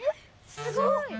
すごい！